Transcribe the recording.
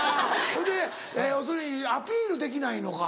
ほいで要するにアピールできないのか。